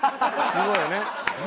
すごいよ。